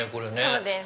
そうです。